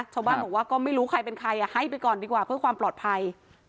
ชาวบ้านบอกว่าก็ไม่รู้ใครเป็นใครให้ไปก่อนดีกว่าเพื่อความปลอดภัย